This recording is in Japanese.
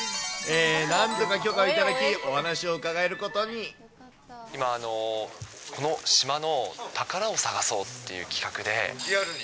なんとか許可を頂き、お話を今、この島の宝を探そうってリアルに？